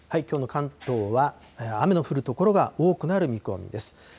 きょうの関東は、雨の降る所が多くなる見込みです。